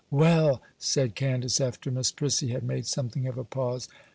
'Well,' said Candace, after Miss Prissy had made something of a pause.